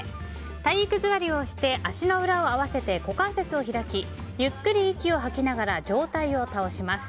体育座りをして足の裏を合わせて股関節を開きゆっくり息を吐きながら上体を倒します。